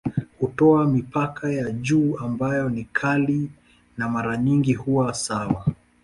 Hutoa mipaka ya juu ambayo ni kali na mara nyingi huwa sawa.